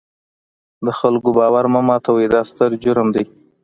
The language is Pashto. د خلکو باور مه ماتوئ، دا ستر جرم دی.